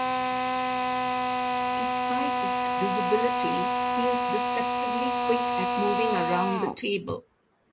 Despite his disability he is deceptively quick at moving around the table.